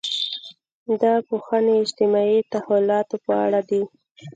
دا پوهنې اجتماعي تحولاتو په اړه دي.